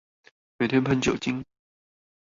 每天噴酒精